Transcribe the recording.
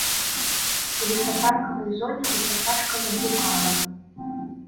У лесапаркавай зоне ўцякачка заблукала.